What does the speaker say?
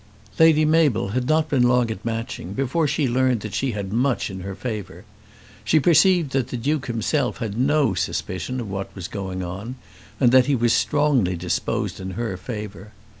Lady Mabel had not been long at Matching before she learned that she had much in her favour. She perceived that the Duke himself had no suspicion of what was going on, and that he was strongly disposed in her favour.